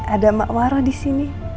ada emak waro di sini